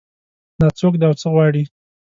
دا څوک ده او څه غواړي